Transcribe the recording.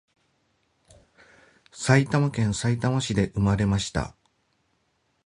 埼玉県さいたま市で産まれました